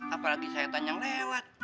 apalagi setan yang lewat